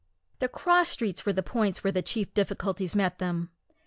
The cross streets were the points where the chief difficulties met them.